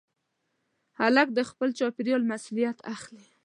هلک د خپل چاپېریال مسؤلیت اخلي.